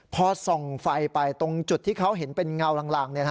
พอส่องไฟไปตรงจุดที่เขาเห็นเป็นเงาลาง